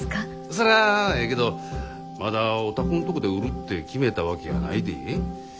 そらええけどまだお宅んとこで売るって決めたわけやないで。